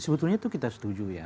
sebetulnya itu kita setuju ya